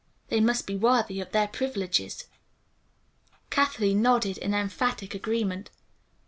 They must be worthy of their privileges." Kathleen nodded in emphatic agreement.